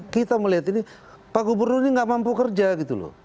kita melihat ini pak gubernur ini nggak mampu kerja gitu loh